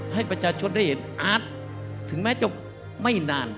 ให้ประชาชนได้เห็นอาร์ตถึงแม้จะไม่นาน